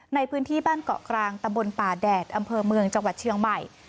ในพื้นที่บ้านเกาะกลางตำบลป่าแดดอำเภอเมืองจังหวัดเชียงใหม่